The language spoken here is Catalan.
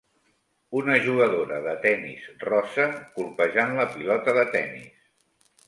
Una jugadora de tenis rossa colpejant la pilota de tenis.